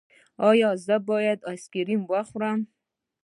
ایا زه باید آیسکریم وخورم؟